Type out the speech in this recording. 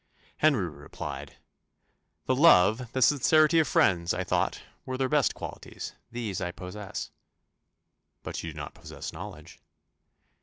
Henry replied, "The love, the sincerity of friends, I thought, were their best qualities: these I possess." "But you do not possess knowledge."